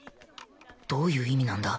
どういう意味なんだ？